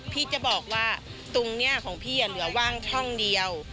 พี่จะบอกว่าตรงนี้ของพี่เหลือว่างช่องเดียว